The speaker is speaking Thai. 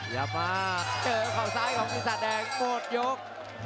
อย่ามาเจอข่าวซ้ายของปีศาจแดงหมดยก